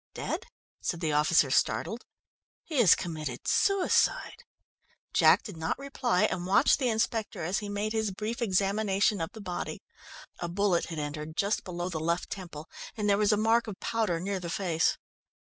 "Dead?" said the officer, startled. "He has committed suicide!" Jack did not reply, and watched the inspector as he made his brief, quick examination of the body. A bullet had entered just below the left temple, and there was a mark of powder near the face.